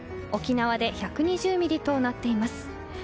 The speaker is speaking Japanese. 沖縄で１２０ミリとなっています。